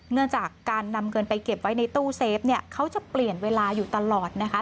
เนื่องจากการนำเงินไปเก็บไว้ในตู้เซฟเนี่ยเขาจะเปลี่ยนเวลาอยู่ตลอดนะคะ